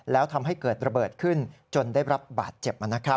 แล้วทำให้เกิดระเบิดขึ้นจนได้รับบาดเจ็บ